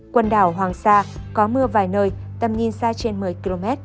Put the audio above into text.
quần đảo hoàng sa có mưa vài nơi tầm nhìn xa trên một mươi km